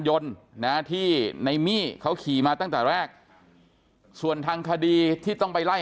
ยนต์นะที่ในมี่เขาขี่มาตั้งแต่แรกส่วนทางคดีที่ต้องไปไล่